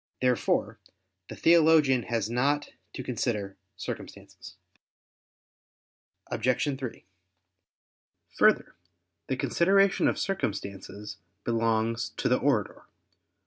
Therefore the theologian has not to consider circumstances. Obj. 3: Further, the consideration of circumstances belongs to the orator.